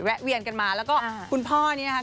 เวียนกันมาแล้วก็คุณพ่อนี้นะครับ